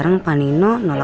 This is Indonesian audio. yang aku semua